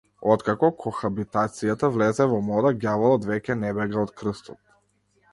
Откако кохабитацијата влезе во мода, ѓаволот веќе не бега од крстот.